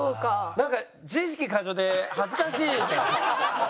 なんか自意識過剰で恥ずかしい。